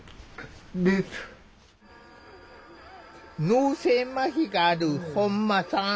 脳性まひがある本間さん。